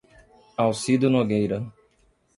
Alcido Nogueira